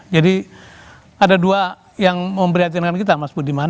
jadi ada dua yang memprihatinkan kita mas budiman